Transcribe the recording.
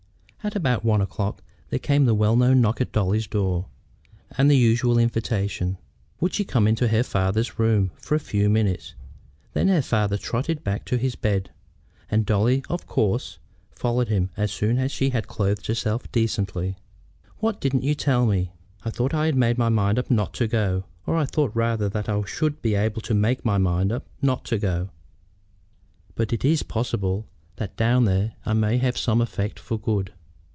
At about one o'clock there came the well known knock at Dolly's door and the usual invitation. Would she come into her father's room for a few minutes? Then her father trotted back to his bed, and Dolly, of course, followed him as soon as she had clothed herself decently. "Why didn't you tell me?" "I thought I had made up my mind not to go; or I thought rather that I should be able to make up my mind not to go. But it is possible that down there I may have some effect for good."